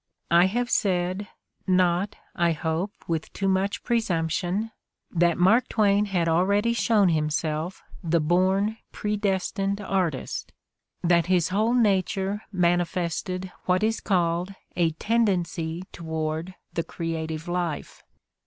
I have said, not, I hope, with too much presumption, that Mark Twain had 34 The Ordeal of Mark Twain already shown himself the born, predestined artist, that his whole nature manifested what is called a tendency toward the creative life.